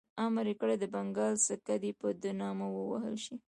امر یې کړی د بنګال سکه دي په ده نامه ووهل شي.